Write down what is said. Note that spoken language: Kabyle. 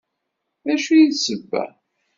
D acu i d sebba?